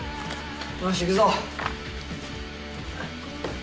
よし行くぞ。